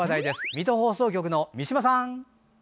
水戸放送局の三島さん。